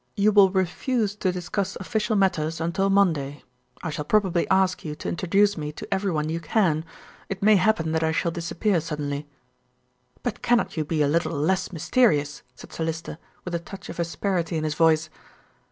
You will refuse to discuss official matters until Monday. I shall probably ask you to introduce me to everyone you can. It may happen that I shall disappear suddenly." "But cannot you be a little less mysterious?" said Sir Lyster, with a touch of asperity in his voice.